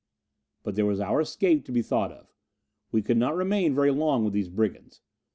But there was our escape to be thought of. We could not remain very long with these brigands.